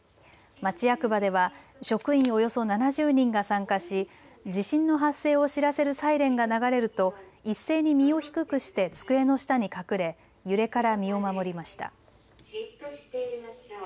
町役場では職員およそ７０人が参加し地震の発生を知らせるサイレンが流れると一斉に身を低くして机の下に隠れ、揺れから身を守りました。